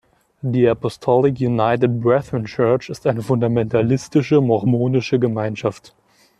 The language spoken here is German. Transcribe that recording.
Die Apostolic United Brethren Church ist eine fundamentalistische mormonische Gemeinschaft.